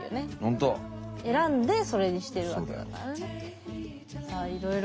選んでそれにしてるわけだからね。